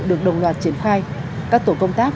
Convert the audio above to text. được đồng loạt triển khai các tổ công tác